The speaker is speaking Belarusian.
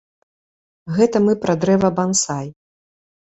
Гэта мы пра дрэва бансай.